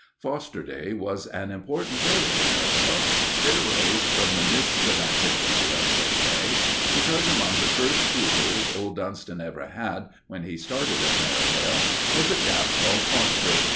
"Foster Day" was an important day at Merivale. It arose from the mists of antiquity, as they say, because among the first pupils old Dunston ever had, when he started Merivale, was a chap called Foster.